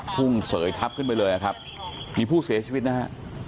เสยทับขึ้นไปเลยนะครับมีผู้เสียชีวิตนะฮะ